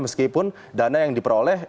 meskipun dana yang diperoleh